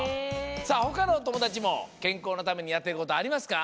さあほかのおともだちもけんこうのためにやってることありますか？